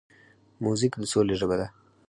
موزیک د سولې ژبه ده.